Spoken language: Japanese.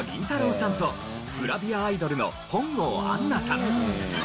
さんとグラビアアイドルの本郷杏奈さん。